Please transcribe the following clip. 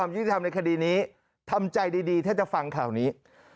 ใจดีถ้าจะฟังข่าวนี้